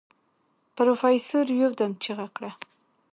پروفيسر يودم چيغه کړه.